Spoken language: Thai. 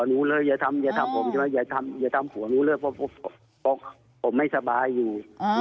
หนูเลยอย่าทำอย่าทำผมใช่ไหมอย่าทำอย่าทำผัวหนูเลยเพราะผมไม่สบายอยู่